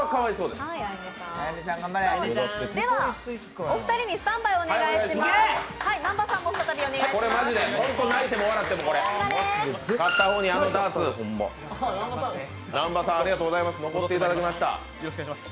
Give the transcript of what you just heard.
ではお二人にスタンバイをお願いします。